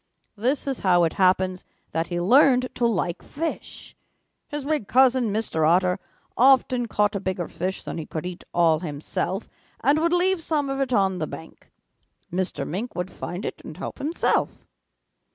This is how it happens that he learned to like fish. His big cousin, Mr. Otter, often caught a bigger fish than he could eat all himself and would leave some of it on the bank. Mr. Mink would find it and help himself.